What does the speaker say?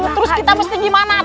terus kita mesti gimana